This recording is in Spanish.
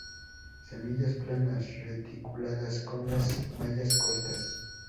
Semillas planas, reticuladas, con las mallas cortas.